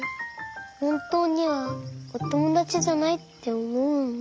ほんとうにはおともだちじゃないっておもうんだ。